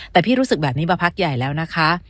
แต่พี่รู้สึกแบบนี้มาพักใหญ่แล้วนะคะ